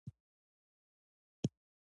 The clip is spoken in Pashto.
مصنوعي ځیرکتیا د ټولنیز باور پیاوړتیا غواړي.